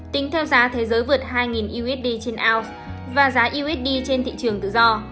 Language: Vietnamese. tính theo giá thế giới vượt hai usd trên ounce và giá usd trên thị trường tự do